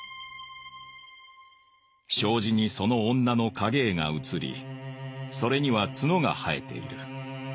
障子にその女の影絵が映りそれには角が生えている。